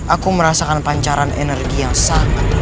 aku merasakan pancaran energi yang sangat